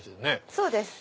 そうです。